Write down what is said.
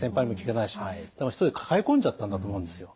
一人で抱え込んじゃったんだと思うんですよ。